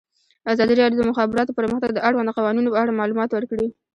ازادي راډیو د د مخابراتو پرمختګ د اړونده قوانینو په اړه معلومات ورکړي.